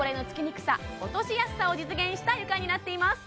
にくさ落としやすさを実現した床になっています